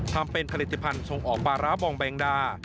ทำเป็นผลิตภัณฑ์ส่งออกปลาร้าบองแบงดา